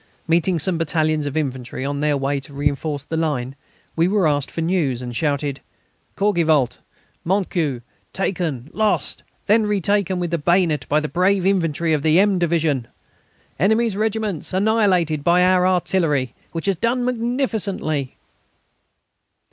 Meeting some battalions of infantry on their way to reinforce the line, we were asked for news, and shouted: "Courgivault, Montceau ... taken, lost, then retaken with the bayonet by the brave infantry of the M. Division. Enemy's regiments annihilated by our artillery, which has done magnificently...."